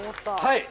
はい。